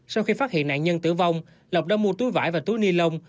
sau khi phát hiện nạn nhân tử vong lộc đã mua túi vải và túi ni lông